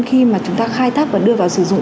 khi mà chúng ta khai thác và đưa vào sử dụng